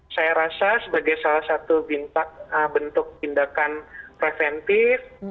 saya rasa sebagai salah satu bentuk tindakan preventif